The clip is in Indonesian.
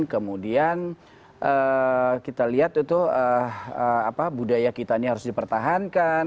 kemudian kita lihat itu budaya kita ini harus dipertahankan